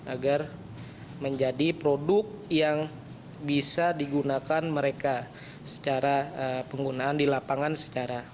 agar menjadi produk yang bisa digunakan mereka secara penggunaan di lapangan secara